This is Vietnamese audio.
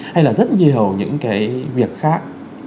hay là rất nhiều những cái việc khác